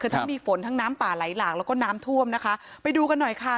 คือทั้งมีฝนทั้งน้ำป่าไหลหลากแล้วก็น้ำท่วมนะคะไปดูกันหน่อยค่ะ